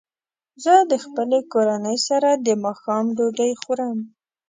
زه د خپلې کورنۍ سره د ماښام ډوډۍ خورم.